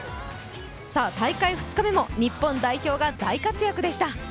大会２日目も日本代表が大活躍でした。